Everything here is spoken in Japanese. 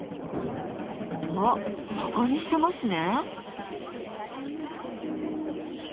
あっバカにしてますね。